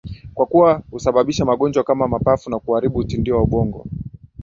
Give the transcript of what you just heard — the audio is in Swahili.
kwa kuwa husababisha magonjwa kama mapafu na kuharibu utindio wa ubongo